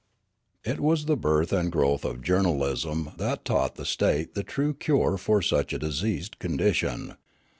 ' It was the birth and growth of journalism that taught the state the true cure for such a diseased condition.